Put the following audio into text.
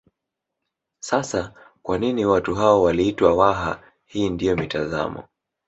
Sasa kwa nini watu hao waliitwa Waha hii ndiyo mitazamo